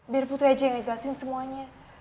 biar putri aja yang ngejelasin semuanya